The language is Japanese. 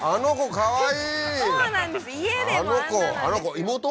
かわいい。